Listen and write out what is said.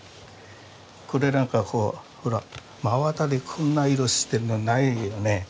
これなんかほら真綿でこんな色してるのないよね。